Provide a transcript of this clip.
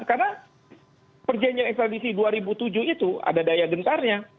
karena perjanjian ekstradisi dua ribu tujuh itu ada daya gentarnya